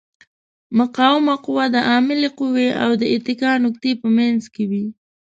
مقاومه قوه د عاملې قوې او د اتکا نقطې په منځ کې وي.